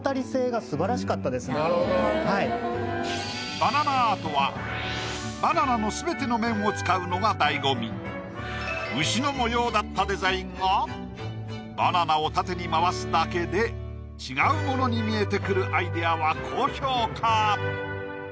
バナナアートはバナナの牛の模様だったデザインがバナナを縦に回すだけで違うものに見えてくるアイディアは高評価。